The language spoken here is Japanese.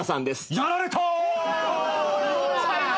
やられた！